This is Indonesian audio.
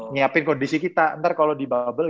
nyiapin kondisi kita ntar kalau di bubble